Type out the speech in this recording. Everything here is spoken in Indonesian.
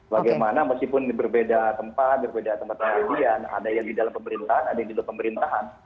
bagaimana meskipun ini berbeda tempat berbeda tempat kejadian ada yang di dalam pemerintahan ada yang di luar pemerintahan